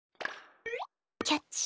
キャッチ。